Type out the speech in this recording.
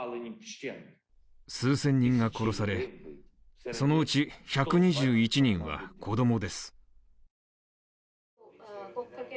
数千人が殺され、そのうち１２１人は子供です。